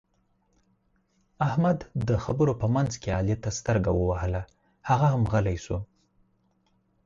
احمد د خبرو په منځ کې علي ته سترګه ووهله؛ هغه هم غلی شو.